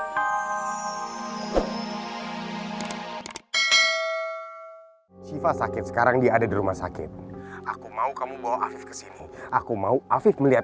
hai siva sakit sekarang dia ada di rumah sakit aku mau kamu bawa kesini aku mau afif melihat